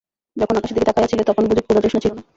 যখন আকাশের দিকে তাকাইয়া ছিলে তখন বুঝি ক্ষুধাতৃষ্ণা ছিল না?